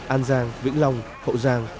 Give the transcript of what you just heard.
an giang vĩnh long hậu giang